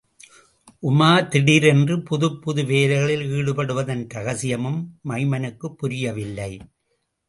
உமார் திடீரென்று புதுப்புது வேலைகளில் ஈடுபடுவதன் இரகசியமும் மைமனுக்குப் புரியவில்லை.